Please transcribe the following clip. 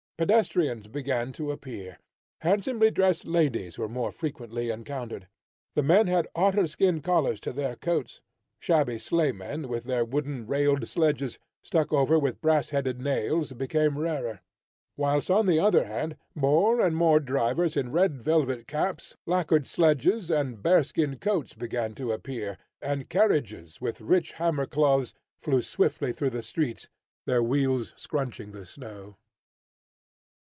Pedestrians began to appear; handsomely dressed ladies were more frequently encountered; the men had otter skin collars to their coats; shabby sleigh men with their wooden, railed sledges stuck over with brass headed nails, became rarer; whilst on the other hand, more and more drivers in red velvet caps, lacquered sledges and bear skin coats began to appear, and carriages with rich hammer cloths flew swiftly through the streets, their wheels scrunching the snow.